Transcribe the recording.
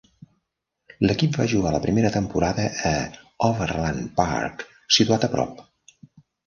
L'equip va jugar la primera temporada a l'Overland Park, situat a prop.